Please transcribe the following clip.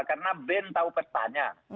karena ben tahu pestanya